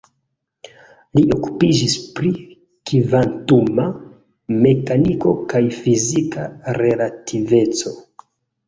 Li okupiĝis pri kvantuma mekaniko kaj fizika relativeco.